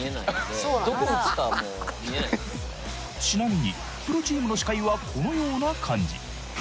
ちなみにプロチームの視界はこのような感じ。